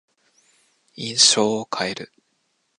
印象を変える。